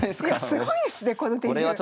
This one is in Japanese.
すごいですねこの手順！